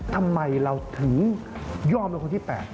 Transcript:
ทำไมเราถึงยอมเป็นคนที่๘